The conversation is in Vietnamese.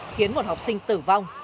khiến một học sinh tử vong